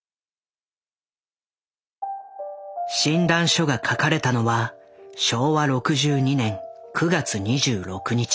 診断書が書かれたのは昭和６２年９月２６日。